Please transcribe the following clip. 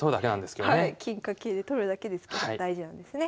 金か桂で取るだけですけど大事なんですね。